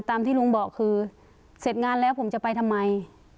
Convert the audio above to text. ตามที่ลุงบอกคือเสร็จงานแล้วผมจะไปทำไม